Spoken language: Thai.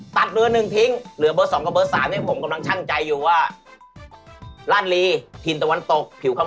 ใครคือคนสวยโพธารามคนงามบั้นปงตัวจริง